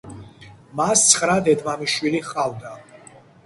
მას ცხრა დედმამიშვილი ჰყავდა.